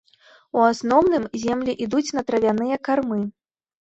У асноўным, землі ідуць на травяныя кармы.